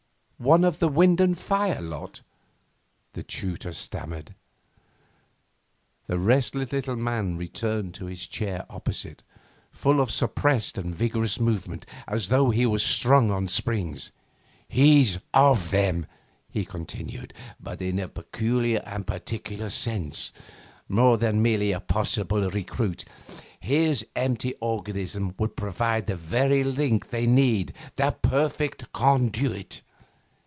One of the wind and fire lot?' the tutor stammered. The restless little man returned to his chair opposite, full of suppressed and vigorous movement, as though he were strung on springs. 'He's of them,' he continued, 'but in a peculiar and particular sense. More than merely a possible recruit, his empty organism would provide the very link they need, the perfect conduit.